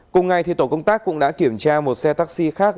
cùng ngày tổ công tác cũng đã kiểm tra một xe taxi khác